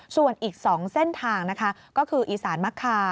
ส่วนอีก๒เส้นทางนะคะก็คืออีสานมะคา